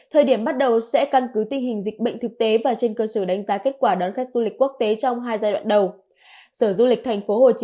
thời điểm bắt đầu sẽ căn cứ tình hình dịch bệnh thực tế và trên cơ sở đánh giá kết quả đón khách du lịch quốc tế trong hai giai đoạn đầu